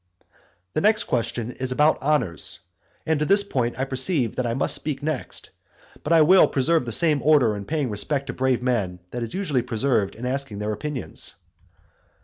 XIII. The next question is about honours. And to this point I perceive that I must speak next. But I will preserve the same order in paying respect to brave men, that is usually preserved in asking their opinions.